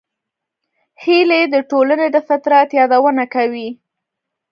هیلۍ د ټولنې د فطرت یادونه کوي